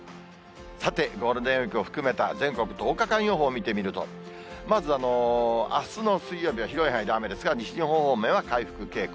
さて、ゴールデンウィークを含めた全国１０日間予報を見てみると、まず、あすの水曜日は広い範囲で雨ですが、西日本方面は回復傾向。